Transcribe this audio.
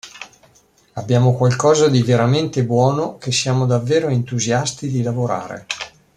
Abbiamo qualcosa di veramente buono che siamo davvero entusiasti di lavorare.